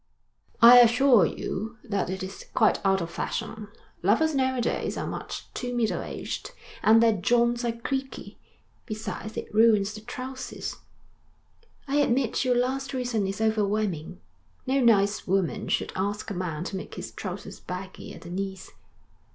'I assure you that it is quite out of fashion. Lovers now a days are much too middle aged, and their joints are creaky. Besides it ruins the trousers.' 'I admit your last reason is overwhelming. No nice woman should ask a man to make his trousers baggy at the knees.'